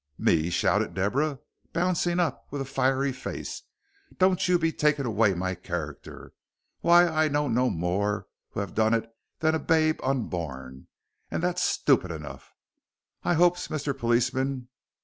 "Me!" shouted Deborah, bouncing up with a fiery face. "Don't you be taking away my character. Why, I know no more who have done it than a babe unborn, and that's stupid enough, I 'opes, Mr. Policeman.